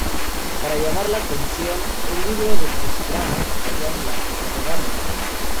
Para llamar la atención, el libro de crucigramas traía un lápiz de regalo.